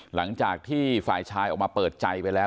หลังจากที่ฝ่ายชายออกมาเปิดใจไปแล้ว